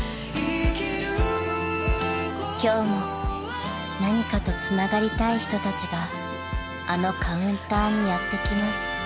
［今日も何かとつながりたい人たちがあのカウンターにやって来ます］